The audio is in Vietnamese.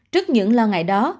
trước những lo ngại đó